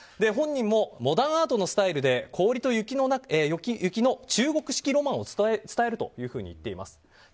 本人もモダンアートのスタイルで氷と雪の中国式ロマンを伝えるというふうに言っています。